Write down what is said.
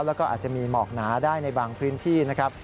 แล้วก็อาจจะมีหมอกหนาได้ในบางพื้นที่นะครับ